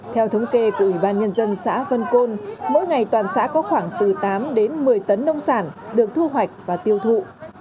theo thống kê của ủy ban nhân dân xã vân côn mỗi ngày toàn xã có khoảng từ tám đến một mươi tấn nông sản được thu hoạch và tiêu thụ